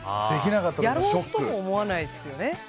なかなかやろうと思わないですよね。